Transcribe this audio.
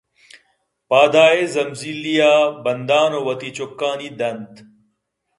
پاد ءَ ئےِ زمزیلے ءَ بندان ءُ وتی چُکّانی دنت